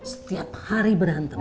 setiap hari berantem